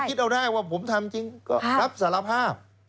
คิดเอาได้ว่าผมทำจริงก็รับสารภาพ